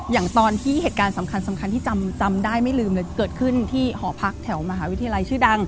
อย่างตอนที่เหตุการณ์สำคัญที่จำได้ไม่ลืมเลยเกิดขึ้นที่หอพักแถวมหาวิทยาลัยชื่อดัง